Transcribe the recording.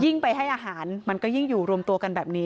ไปให้อาหารมันก็ยิ่งอยู่รวมตัวกันแบบนี้